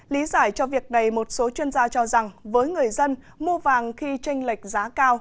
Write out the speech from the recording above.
lý giải cho việc này một số chuyên gia cho rằng với người dân mua vàng khi tranh lệch giá cao